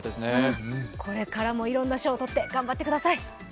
これからもいろんな賞を取って頑張ってください。